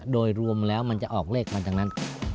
โดยรวมแล้วมันจะออกเลขมาจากนั้น